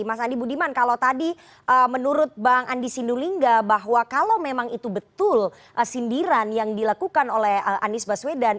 mas andi budiman kalau tadi menurut bang andi sindulingga bahwa kalau memang itu betul sindiran yang dilakukan oleh anies baswedan